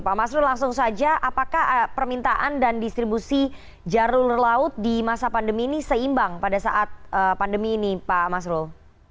pak masrul langsung saja apakah permintaan dan distribusi jalur laut di masa pandemi ini seimbang pada saat pandemi ini pak masrul